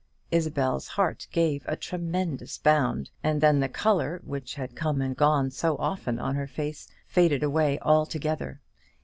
Isabel's heart gave a tremendous bound, and then the colour, which had come and gone so often on her face, faded away altogether.